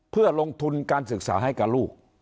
เพื่อลงทุนการศึกษาให้กับลูก